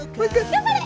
頑張れ！